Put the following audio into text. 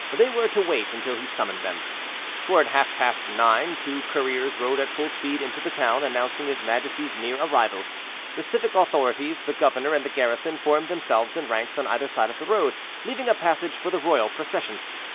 They were to wait until he summoned them. Toward half past nine two couriers rode at full speed into the town, announcing his majesty's near arrival. The civic authorities, the governor, and the garrison formed themselves in ranks on either side of the road, leaving a passage for the royal procession.